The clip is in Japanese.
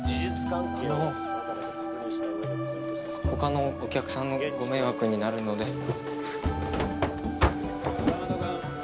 他のお客さんのご迷惑になるので。